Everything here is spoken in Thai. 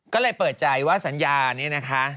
ก็เลยเปิดใจว่าสัญญานี้นะคะ